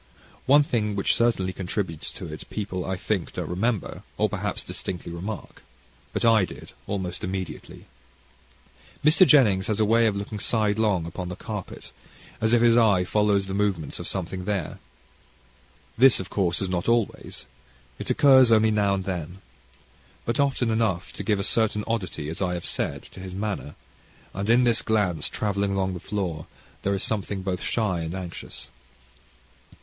One thing which certainly contributes to it, people I think don't remember; or, perhaps, distinctly remark. But I did, almost immediately. Mr. Jennings has a way of looking sidelong upon the carpet, as if his eye followed the movements of something there. This, of course, is not always. It occurs now and then. But often enough to give a certain oddity, as I have said, to his manner, and in this glance travelling along the floor there is something both shy and anxious.